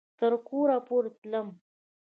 تر کوره پورې تلم